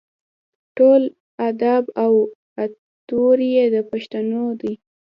ټول اداب او اطوار یې د پښتنو دي.